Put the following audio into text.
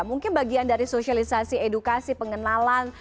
mungkin bagian dari sosialisasi edukasi pengenalan